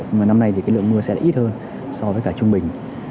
nhưng mà năm nay thì lượng mưa sẽ ít hơn so với cả trung bình